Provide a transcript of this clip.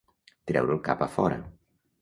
Treure el cap a fora.